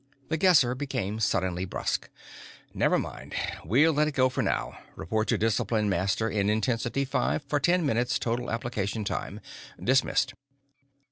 The Guesser became suddenly brusque. "Never mind. We'll let it go for now. Report to the Discipline Master in Intensity Five for ten minutes total application time. Dismissed."